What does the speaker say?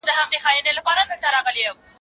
نن به هرڅه چا لرل سبا به خوار وو